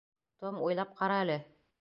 Том, уйлап ҡара әле.